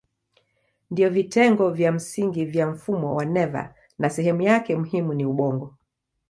Ndiyo vitengo vya msingi vya mfumo wa neva na sehemu yake muhimu ni ubongo.